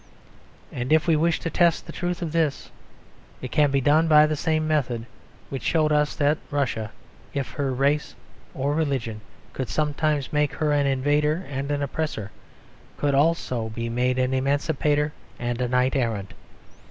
And if we wish to test the truth of this, it can be done by the same method which showed us that Russia, if her race or religion could sometimes make her an invader and an oppressor, could also be made an emancipator and a knight errant.